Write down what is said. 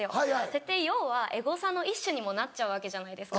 それって要はエゴサの一種にもなっちゃうわけじゃないですか。